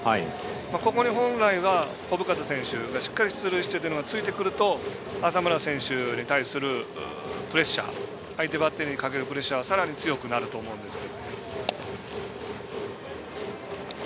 ここで本来は小深田選手がしっかり出塁してというのがついてくると浅村選手に対するプレッシャー相手バッテリーにかけるプレッシャーはさらに強くなると思うんですけど。